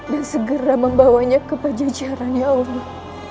dan segera membawanya ke pajajaran ya allah